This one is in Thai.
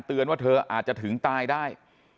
ว่าเธออาจจะถึงตายได้